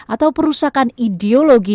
atau perusakan ideologi